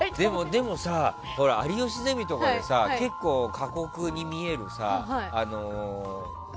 でも、「有吉ゼミ」とか結構、過酷に見えるの。